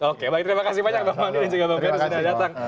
oke baik terima kasih banyak bang madu dan juga bang ferry sudah datang